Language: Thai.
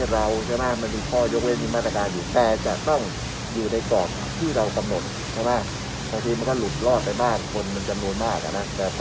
ถ้าใครจะเกลียดประโยชน์สูงสุดของรัฐบาลในข้างจากผ้าการสูงขึ้นมันก็ต้องมีบรรยากาศสมัยยาว